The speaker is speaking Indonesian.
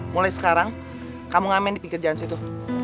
mulai sekarang kamu ngamen di pinggir jalan situ